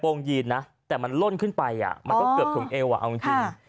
งยีนนะแต่มันล่นขึ้นไปมันก็เกือบถึงเอวเอาจริง